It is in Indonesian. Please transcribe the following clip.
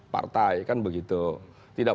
partai kan begitu tidak